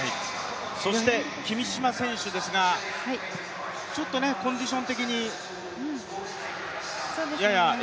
そして君嶋選手ですが、ちょっとコンディション的にやや。